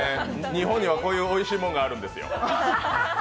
日本には、こういうおいしいもんがあるんですよ。